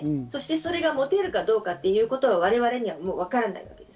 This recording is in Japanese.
そしてそれが持てるかどうかということは我々にはわからない。